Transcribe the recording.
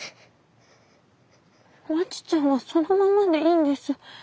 まちちゃんはそのままでいいんです。